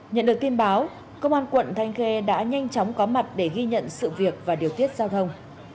nhận được tin báo công an quận thanh khê đã nhanh chóng có mặt để ghi nhận sự việc và điều tiết giao thông